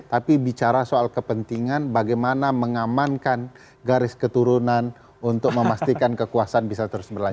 tapi bicara soal kepentingan bagaimana mengamankan garis keturunan untuk memastikan kekuasaan bisa terus berjalan